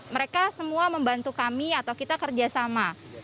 mereka semua membantu kami atau kita kerjasama